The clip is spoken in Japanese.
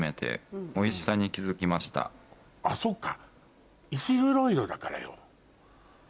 あっそっか。